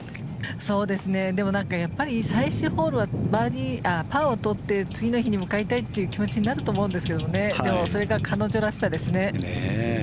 でも、最終ホールはパーを取って次の日に向かいたいという気持ちになると思うんですけどそれが彼女らしさですね。